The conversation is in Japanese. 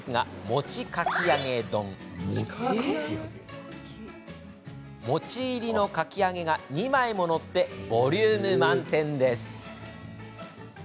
餅入りのかき揚げが２枚も載ってボリューム満点です。